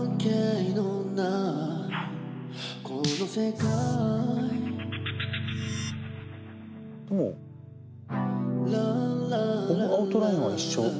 このアウトラインは一緒？